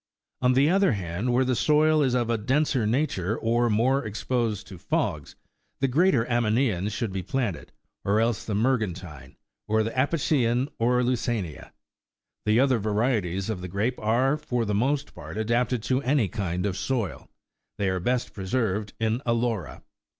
26 On the other hand, where the soil is of a denser nature or more exposed to fogs, the greater Aminean should be planted, or else the Murgen tine,27 or the Apician of Lucania. The other varieties of the grape are, for the most part, adapted to any kind of soil ; they are best preserved in a lora.